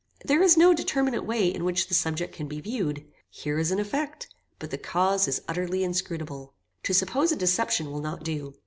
"There is no determinate way in which the subject can be viewed. Here is an effect, but the cause is utterly inscrutable. To suppose a deception will not do.